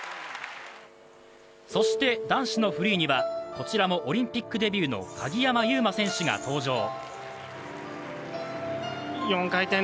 そして男子のフリーにはこちらもオリンピックデビューの鍵山優真選手が登場。